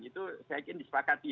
itu saya kira disepakati